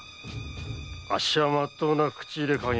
あっしはまっとうな口入れ稼業。